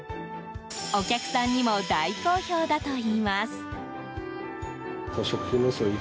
お客さんにも大好評だといいます。